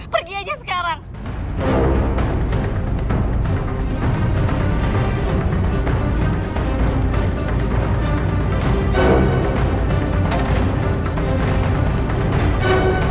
pergi aja sekarang